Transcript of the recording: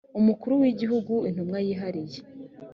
umukuru w igihugu intumwa yihariye